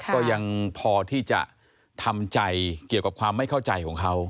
ก็ยังพอที่จะทำใจเกี่ยวกับความไม่เข้าใจของเขา